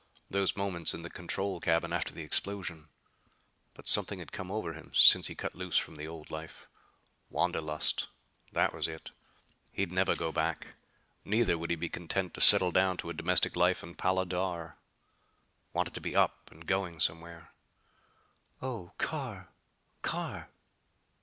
Those moments in the control cabin after the explosion! But something had come over him since he cut loose from the old life. Wanderlust that was it. He'd never go back. Neither would he be content to settle down to a domestic life in Pala dar. Wanted to be up and going somewhere. "Oh, Carr, Carr!"